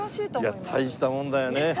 いや大したもんだよね。